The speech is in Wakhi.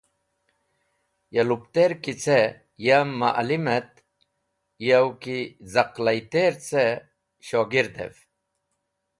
Ya lupteri ki ce, ya ma’lim et, yaw ki z̃aqlayter ce, shogerdev.